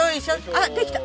あっできた。